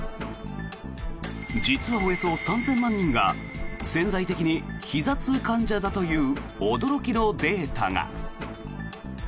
実は、およそ３０００万人が潜在的にひざ痛患者だという驚きのデータが。